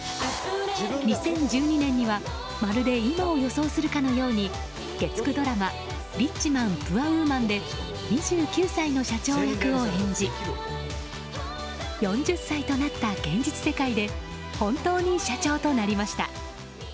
２０１２年にはまるで今を予想するかのように月９ドラマ「リッチマン、プアウーマン」で２９歳の社長役を演じ４０歳となった現実世界で本当に社長となりました。